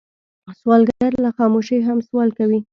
سوالګر له خاموشۍ هم سوال کوي